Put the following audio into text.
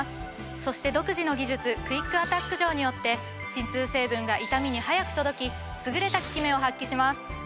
そして独自の技術クイックアタック錠によって鎮痛成分が痛みに速く届き優れた効き目を発揮します。